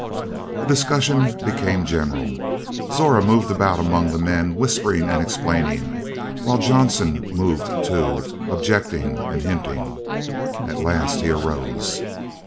The discussion became general. Zora moved about among the men whispering and explaining; while Johnson moved, too, objecting and hinting. At last he arose.